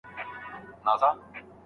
املا د ذهني سکون او تمرکز لامل کېږي.